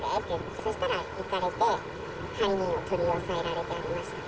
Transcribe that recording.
そしたら行かれて、犯人を取り押さえていました。